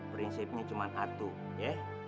prinsipnya cuma satu ya